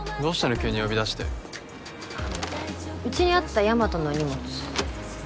急に呼び出してうちにあった大和の荷物